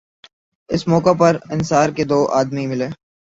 اس موقع پر انصار کے دو آدمی ملے